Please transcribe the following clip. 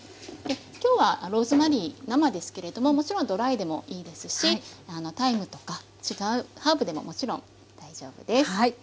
今日はローズマリー生ですけれどももちろんドライでもいいですしタイムとか違うハーブでももちろん大丈夫です。